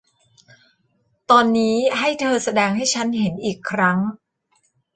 ตอนนี้ให้เธอแสดงให้ฉันเห็นอีกครั้ง